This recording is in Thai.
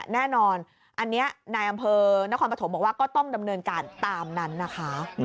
แน่นอนอันนี้นายอำเภอนครปฐมบอกว่าก็ต้องดำเนินการตามนั้นนะคะ